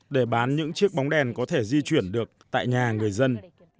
để bán những chiếc bóng đèn có thể di chuyển được tại nhà người dân